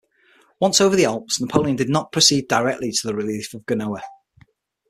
Once over the Alps, Napoleon did not proceed directly to the relief of Genoa.